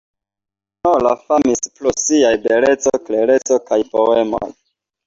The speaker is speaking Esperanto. Eleonora famis pro siaj beleco, klereco kaj poemoj.